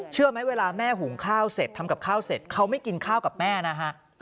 เชื่อไหมเวลาแม่หุงข้าวเสร็จทำกับข้าวเสร็จเขาไม่กินข้าวกับแม่นะฮะ